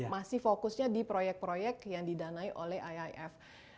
masih fokusnya di proyek proyek yang didanai oleh iif